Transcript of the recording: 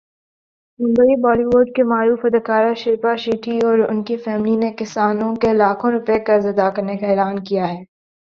Mumbai Bollywood کی معروف اداکارہ شلپا شیٹھی اور اُن کی فیملی نے کسانوں کے لاکھوں روپے قرض ادا کرنے کا اعلان کیا ہے